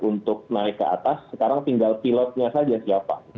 untuk naik ke atas sekarang tinggal pilotnya saja siapa